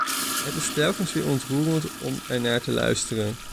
Het is telkens weer ontroerend om ernaar te luisteren!